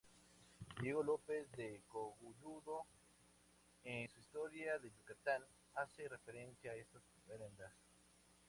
Diego López de Cogolludo, en su Historia de Yucatán, hace referencia a estas prendas.